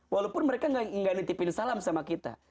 walaupun mereka nggak nitipin salam sama kita